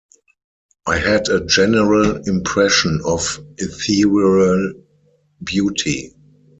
I had a general impression of ethereal beauty.